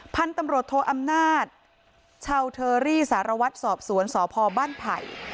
พันธุ์ตำรวจโทอำนาจชาวเทอรี่สารวัตรสอบสวนสพบ้านไผ่